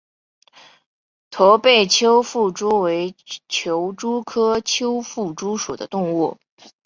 驼背丘腹蛛为球蛛科丘腹蛛属的动物。